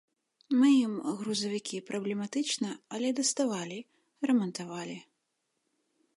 Мы ім грузавікі праблематычна, але даставалі, рамантавалі.